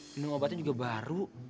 minum obatnya juga baru